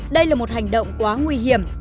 đây là một hành động quá nguy hiểm